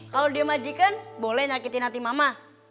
kalau dia majikan boleh nyakitin hati mama